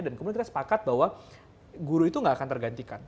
dan kemudian kita sepakat bahwa guru itu nggak akan tergantikan